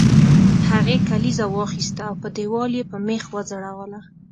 هغې کلیزه واخیسته او په دیوال یې په میخ وځړوله